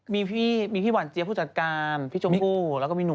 มีพี่มีพี่หว่านเจียผู้จัดการเพียรภิกษาพี่ชมพู่แล้วก็มีหนู